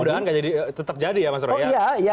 mudah mudahan tetap jadi ya mas roy ya